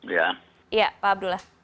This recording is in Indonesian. ya pak abdullah